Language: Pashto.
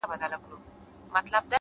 هره ورځ د نوې رڼا دروازه ده,